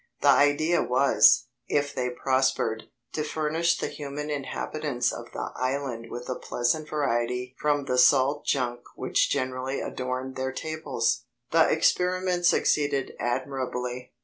The idea was, if they prospered, to furnish the human inhabitants of the island with a pleasant variety from the salt junk which generally adorned their tables. The experiment succeeded admirably.